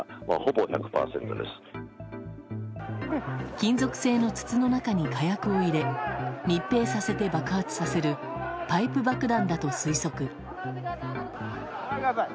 金属製の筒の中に火薬を入れ密閉させて爆発させるパイプ爆弾だと推測。